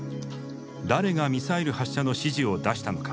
誰がミサイル発射の指示を出したのか。